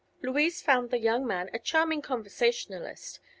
Louise found the young man a charming conversationalist.